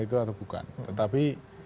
itu atau bukan tetapi